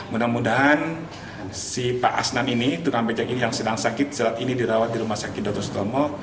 mudah mudahan si pak asnan ini tukang becak ini yang sedang sakit saat ini dirawat di rumah sakit dr sutomo